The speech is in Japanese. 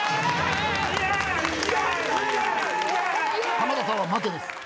浜田さんは負けです。